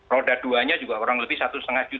roda dua orang lebih